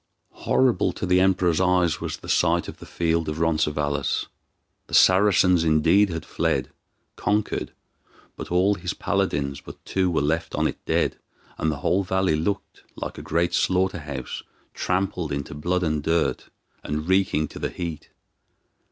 Horrible to the Emperor's eyes was the sight of the field of Roncesvalles. The Saracens indeed had fled, conquered; but all his paladins but two were left on it dead, and the whole valley looked like a great slaughter house, trampled into blood and dirt, and reeking to the heat.